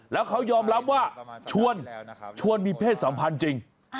แล้วเขายอมรับว่าชวนมีเพศสัมพันธ์จริง